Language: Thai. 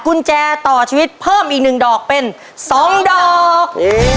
กุญแจต่อชีวิตเพิ่มอีกหนึ่งดอกเป็นสองดอก